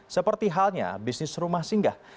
seperti halnya bisnis rumah singgah